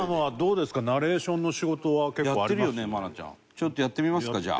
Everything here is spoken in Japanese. ちょっとやってみますかじゃあ。